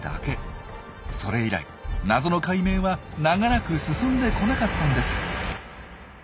それ以来謎の解明は長らく進んでこなかったんです。